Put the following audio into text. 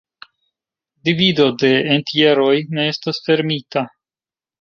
Divido de entjeroj ne estas fermita.